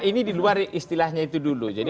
ini di luar istilahnya itu dulu jadi